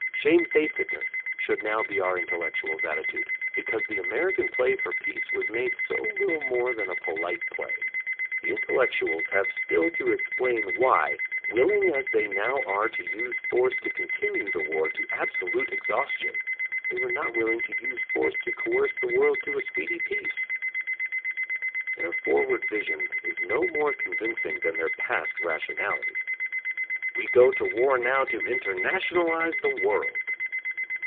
Shamefacedness should now be our intellectuals' attitude, because the American play for peace was made so little more than a polite play. The intellectuals have still to explain why, willing as they now are to use force to continue the war to absolute exhaustion, they were not willing to use force to coerce the world to a speedy peace. Their forward vision is no more convincing than their past rationality. We go to war now to internationalize the world!